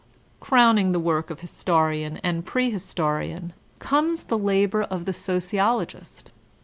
Crowning the work of historian and prehistorian, comes the labor of the sociologist.